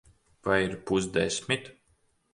Vai ir pusdesmit?